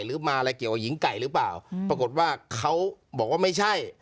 หรือมาอะไรเกี่ยวกับหญิงไก่หรือเปล่าปรากฏว่าเขาบอกว่าไม่ใช่